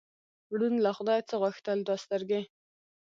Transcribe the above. ړوند له خدایه څه غوښتل؟ دوه سترګې.